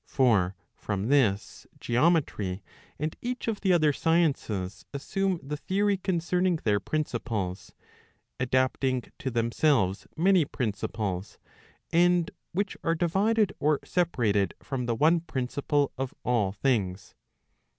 For from this, geome¬ try, and each of the other sciences, assume the theory concerning their principles, adapting * to themselves many principles, and which are divided or separated from the one principle of all things.